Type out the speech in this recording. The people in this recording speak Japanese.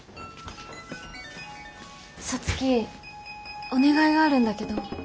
皐月お願いがあるんだけど。